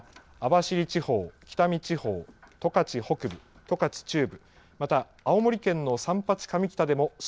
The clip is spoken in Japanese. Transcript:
震度３が、網走地方、北見地方、十勝北部、十勝中部。